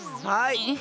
はい。